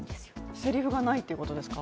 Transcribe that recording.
せりふがないってことですか？